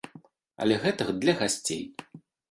Але гэта для гасцей.